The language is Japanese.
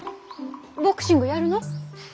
ボクシングやるの？